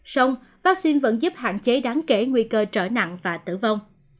xong vaccine vẫn giúp hạn chế đáng kể nguy cơ trở nặng và tử vong